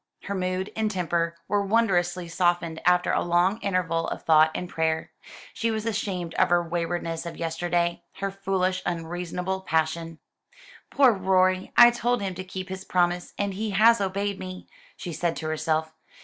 Her mood and temper were wondrously softened after a long interval of thought and prayer. She was ashamed of her waywardness of yesterday her foolish unreasonable passion. "Poor Rorie, I told him to keep his promise, and he has obeyed me," she said to herself.